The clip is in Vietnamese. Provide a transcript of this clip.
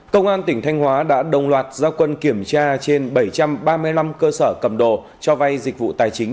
công an tỉnh thanh hóa đã đồng loạt gia quân kiểm tra trên bảy trăm ba mươi năm cơ sở cầm đồ cho vay dịch vụ tài chính